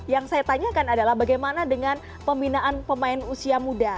yang saya tanyakan adalah bagaimana dengan pembinaan pemain usia muda